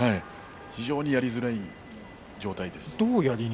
非常にやりづらい状態です。